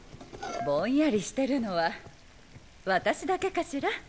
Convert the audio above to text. ぼんやりしてるのは私だけかしら？